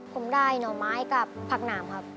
ผมได้หน่อไม้กับผักหนามครับ